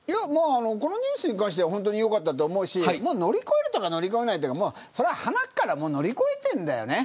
このニュースに関しては本当に良かったと思うし乗り越えるとか乗り越えないとかじゃなくてはなから乗り越えてるんだよね。